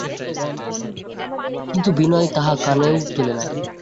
কিন্তু বিনয় তাহা কানেও তোলে নাই।